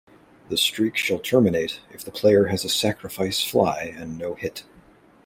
The streak shall terminate if the player has a sacrifice fly and no hit.